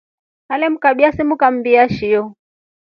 Ale mkabya simu kambia nshio.